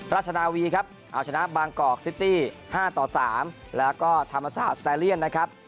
ราชนาวีครับเอาชนะบางกอกซิตี้๕ต่อ๓แล้วก็ธรรมศาสตร์สตาเลียนนะครับ